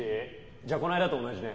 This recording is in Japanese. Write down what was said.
じゃあこの間と同じね。